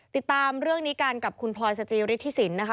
ติดตามเรื่องนี้กันกับคุณพลอยสจิฤทธิสินนะคะ